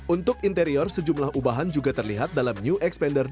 untuk interior sejumlah ubahan juga terlihat dalam new xpander dua ribu dua puluh satu ini